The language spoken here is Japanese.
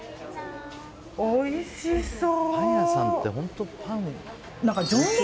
おいしそう。